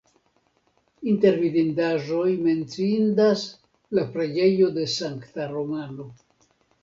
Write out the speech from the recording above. Inter vidindaĵoj menciindas la preĝejo de Sankta Romano.